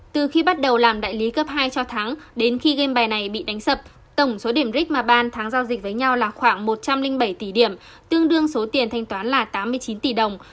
từ khi bắt đầu làm đại lý cấp hai cho tháng đến khi gam bài này bị đánh sập tổng số điểm rick mà ban thắng giao dịch với nhau là khoảng một trăm linh bảy tỷ điểm tương đương số tiền thanh toán là tám mươi chín tỷ đồng